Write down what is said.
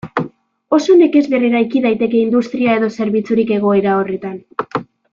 Oso nekez berreraiki daiteke industria edo zerbitzurik egoera horretan.